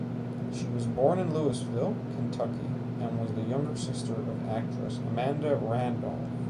She was born in Louisville, Kentucky, and was the younger sister of actress Amanda Randolph.